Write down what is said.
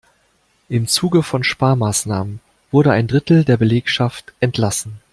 Im Zuge von Sparmaßnahmen wurde ein Drittel der Belegschaft entlassen.